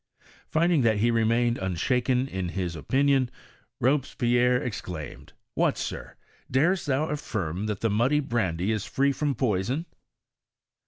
Finding that he remained unshaken in his opinion, Robespierre ex claimed, *' What, Sir ! darest thou affirm that the muddy brandy is free from poison?"